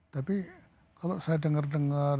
tapi kalau saya dengar dengar